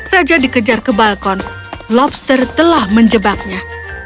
raja dikejar ke balkon lobster telah menjebaknya